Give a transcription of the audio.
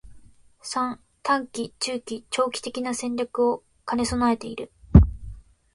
③ 短期、中期、長期的な戦略を兼ね備えている